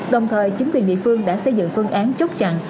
đồng thời chính quyền địa phương đã xây dựng phương án chốt chặn